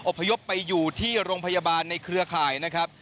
พยพไปอยู่ที่โรงพยาบาลในเครือข่ายนะครับ